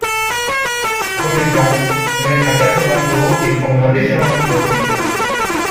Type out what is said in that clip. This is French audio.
Premier plan, fenêtre à quatre vantaux et formant légèrement bow-window.